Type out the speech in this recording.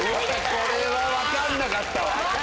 これは分かんなかったわ。